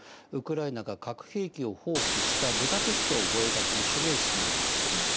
ウクライナが核兵器を放棄したブダペスト覚書の署名式なんです。